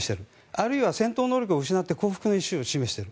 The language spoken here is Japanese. あるいは戦闘能力を失って降伏の意思を示している。